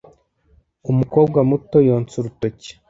Umukobwa muto yonsa urutoki.